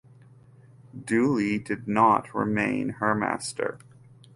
Duley did not remain her master.